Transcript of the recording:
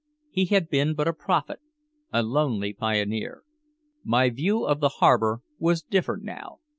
He had been but a prophet, a lonely pioneer. My view of the harbor was different now.